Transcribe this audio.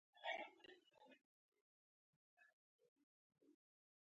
کله چې افغانستان کې ولسواکي وي بزګران خوشحاله وي.